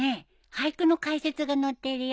俳句の解説が載ってるよ。